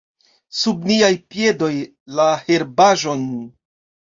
Sub niaj piedoj: la herbaĵon!